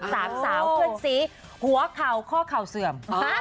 กับ๓สาวฝื่นสีหัวเขาข้อเข่าเสื่อม